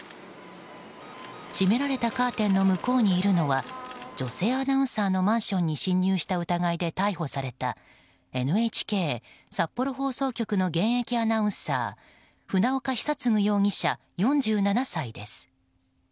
閉められたカーテンの向こうにいるのは女性アナウンサーのマンションに侵入した疑いで逮捕されたＮＨＫ札幌放送局の現役アナウンサー船岡久嗣容疑者、４７歳です。